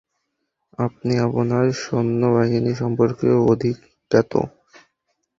আপনি আপনার সৈন্য বাহিনী সম্পর্কে অধিক জ্ঞাত।